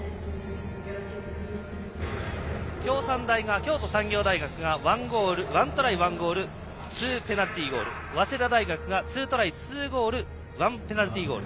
京都産業大学が１トライ１ゴール２ペナルティーゴール早稲田大学が２トライ２ゴール、１ペナルティーゴール。